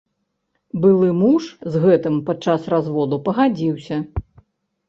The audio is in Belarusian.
Былы муж з гэтым падчас разводу пагадзіўся.